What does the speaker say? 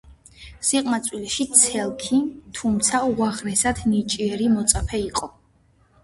სიყმაწვილეში ცელქი, თუმცა უაღრესად ნიჭიერი მოწაფე იყო.